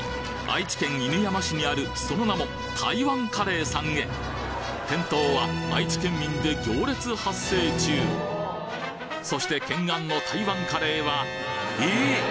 愛知県犬山市にあるその名も台湾カレーさんへ店頭は愛知県民で行列発生中そして懸案の台湾カレーはええっ？